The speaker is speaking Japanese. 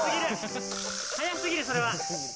速すぎる、それは。